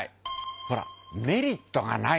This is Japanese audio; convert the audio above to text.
曚メリットがない。